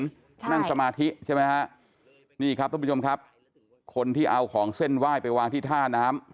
นั่งสมาธิใช่ไหมฮะนี่ครับทุกผู้ชมครับคนที่เอาของเส้นไหว้ไปวางที่ท่าน้ำ